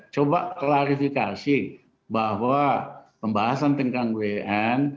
coba klarifikasi bahwa pembahasan tentang wn